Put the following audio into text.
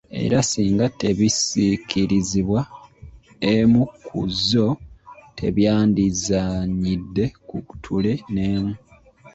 Era singa tebisikirizbwa emu ku zzo, tebyandizannyidde ku ttule n’emu.